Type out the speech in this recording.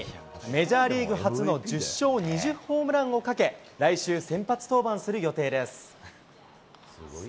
メジャーリーグ初の１０勝２０ホームランをかけ、来週、先発登板する予定です。